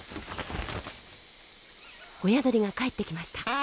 親鳥が帰ってきました。